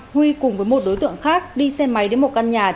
huy cùng với một đối tượng khác đi xe máy đến một căn nhà